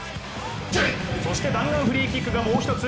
そして、弾丸フリーキックかもう一つ。